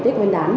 tiết nguyên đán